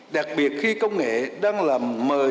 đặc biệt khi công nghệ đang làm mời